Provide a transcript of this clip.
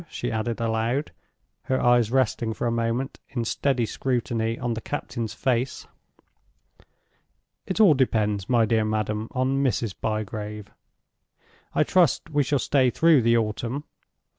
she added aloud, her eyes resting for a moment, in steady scrutiny, on the captain's face. "It all depends, my dear madam, on Mrs. Bygrave. I trust we shall stay through the autumn.